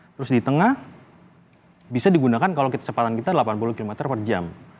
terus di tengah bisa digunakan kalau kecepatan kita delapan puluh km per jam